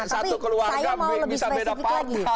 tapi saya mau lebih spesifik lagi